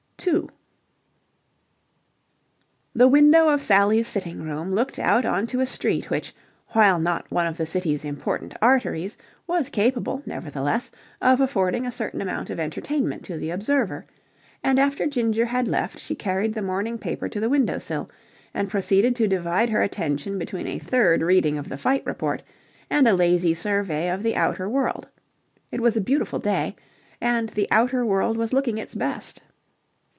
2 The window of Sally's sitting room looked out on to a street which, while not one of the city's important arteries, was capable, nevertheless, of affording a certain amount of entertainment to the observer: and after Ginger had left, she carried the morning paper to the window sill and proceeded to divide her attention between a third reading of the fight report and a lazy survey of the outer world. It was a beautiful day, and the outer world was looking its best.